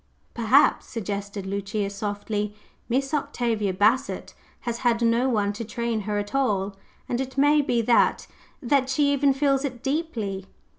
"Perhaps," suggested Lucia softly, "Miss Octavia Bassett has had no one to train her at all; and it may be that that she even feels it deeply."